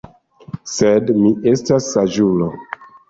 Sed mi estas saĝulo.